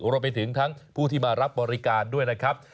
รวมไปถึงทั้งผู้ที่มารับบริการด้วยนะครับ